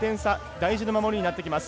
大事な守りになってきます。